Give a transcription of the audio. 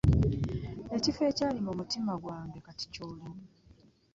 Ekifo ekyali mumutima gwange kati kyolimu .